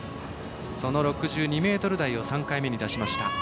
その６２ｍ台を３回目に出しました。